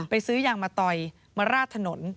ไปซื้ออย่างมาต่อยมาราดถนน